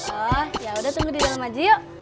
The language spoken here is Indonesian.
ah yaudah tunggu di dalam aja yuk